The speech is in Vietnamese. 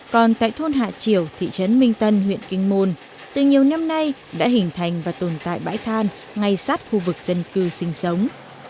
còn tại thôn hạ triểu thị trấn minh tân huyện kinh môn từ nhiều năm nay đã hình thành và tồn tại bãi than ngay sát khu vực dân cư sinh sống